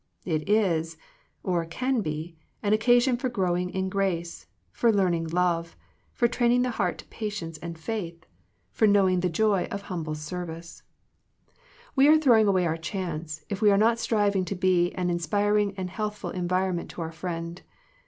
It is, or can be, an occasion for growing in grace, for learning love, for training the heart to patience and faith, 5^ Digitized by VjOOQIC THE CULTURE OF FRIENDSHIP for knowing the joy of humble service. We are throwing away our chance, if we are not striving to be an inspiring and healthful environment to our friend.